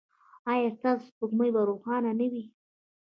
ایا ستاسو سپوږمۍ به روښانه نه وي؟